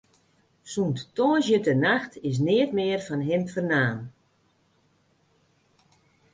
Sûnt tongersdeitenacht is neat mear fan him fernaam.